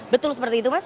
betul seperti itu mas